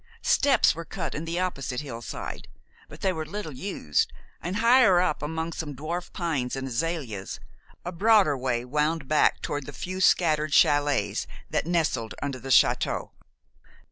Steps were cut in the opposite hillside, but they were little used, and higher up, among some dwarf pines and azaleas, a broader way wound back toward the few scattered chalets that nestled under the château.